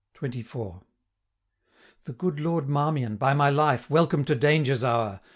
' The good Lord Marmion, by my life! 710 Welcome to danger's hour!